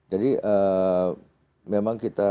jadi memang kita